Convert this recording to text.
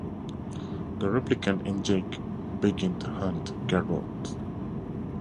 The Replicant and Jake begin to hunt Garrotte.